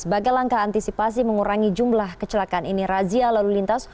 sebagai langkah antisipasi mengurangi jumlah kecelakaan ini razia lalu lintas